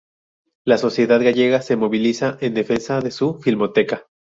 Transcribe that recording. La sociedad gallega se moviliza en defensa de su Filmoteca.